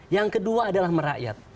yang kedua adalah merakyat